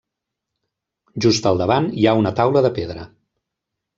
Just al davant hi ha una taula de pedra.